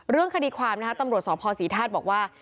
เรื่องคดีความนะคะตำรวจสภศรีธาตุบอกว่า